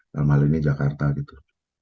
dalam hal ini jakarta gitu